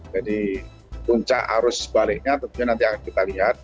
jadi puncak arus baliknya tentunya nanti akan kita lihat